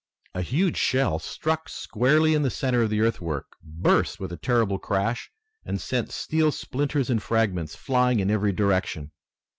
A huge shell struck squarely in the center of the earthwork, burst with a terrible crash, and sent steel splinters and fragments flying in every direction.